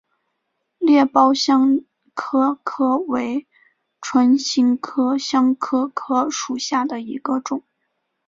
裂苞香科科为唇形科香科科属下的一个种。